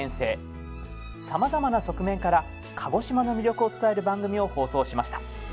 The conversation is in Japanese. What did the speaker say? さまざまな側面から鹿児島の魅力を伝える番組を放送しました。